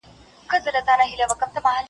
ستا سورکۍ نازکي پاڼي ستا په پښو کي تویومه .